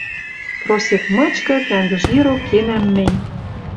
Просек мычкы кӓнгӹж ирок кенӓм мӹнь.